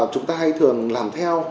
chúng ta hay thường làm theo